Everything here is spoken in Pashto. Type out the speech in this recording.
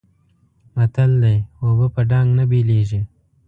متل دی: اوبه په ډانګ نه بېلېږي.